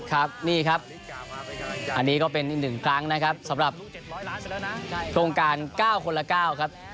ครับนี่ครับอันนี้ก็เป็นอีกหนึ่งครั้งนะครับสำหรับโครงการ๙คนละ๙ครับ